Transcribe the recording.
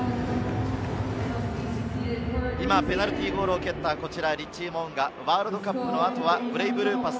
今ペナルティーゴールを蹴ったリッチー・モウンガ、ワールドカップの後はブレイブルーパス